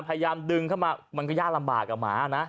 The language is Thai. พยายามดึงเข้ามามันก็ยากลำบากกับหมานะ